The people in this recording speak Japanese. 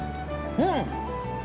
うん。